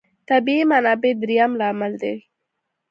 طبیعي منابع درېیم لامل دی.